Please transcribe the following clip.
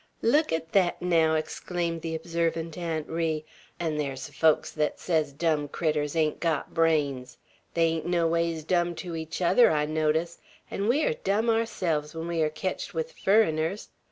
"Look at thet, naow!" exclaimed the observant Aunt Ri; "an' thar's folk's thet sez dumb critters ain't got brains. They ain't noways dumb to each other, I notice; an' we air dumb aourselves when we air ketched with furriners.